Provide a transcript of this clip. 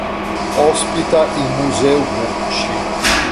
Ospita il Museo Gucci.